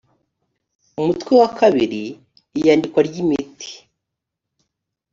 umutwe wa kabiri iyandikwa ry imiti